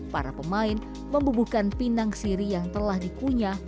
para pemain membubuhkan pinang siri yang telah dikunyah